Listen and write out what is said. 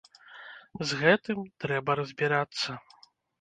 З гэтым трэба разбірацца.